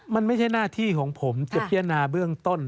มันไม่ใช่หน้าที่ของผมจะพิจารณาเบื้องต้น